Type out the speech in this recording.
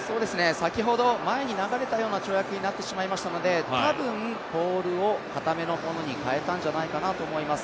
先ほど前に流れたような跳躍になってしまいましたのでたぶんポールをかためのものに変えたんじゃないかと思います。